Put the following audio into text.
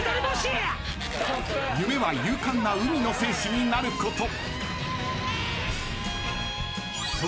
［夢は勇敢な海の戦士になること］